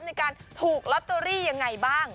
ในการถูกลอตเตอรี่ยังไงบ้าง